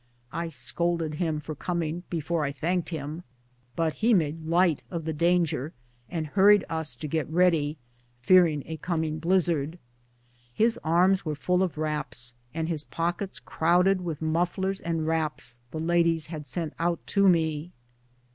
I scolded him for coming before I thanked him, but he made light of the danger and hurried us to get ready, fearing a coming blizzard. His arms were full of wraps, and his pockets crowded with mufflers and wraps the ladies had sent out to me.